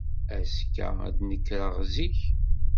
Azekka, ad d-nekreɣ zik.